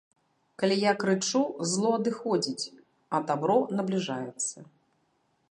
Калі я крычу, зло адыходзіць, а дабро набліжаецца.